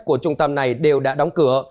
của trung tâm này đều đã đóng cửa